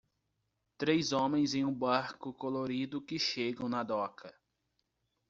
Três homens em um barco colorido que chegam na doca.